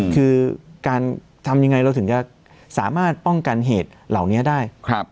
คือการทำยังไงเราถึงจะสามารถป้องกันเหตุเหล่านี้ได้